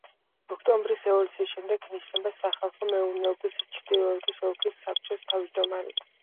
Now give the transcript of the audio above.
ოქტომბრის რევოლუციის შემდეგ ინიშნება სახალხო მეურნეობის ჩრდილოეთის ოლქის საბჭოს თავმჯდომარედ.